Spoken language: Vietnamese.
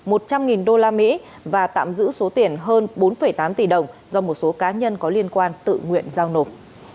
một trăm linh usd và tạm giữ số tiền hơn bốn tám tỷ đồng do một số cá nhân có liên quan tự nguyện giao nộp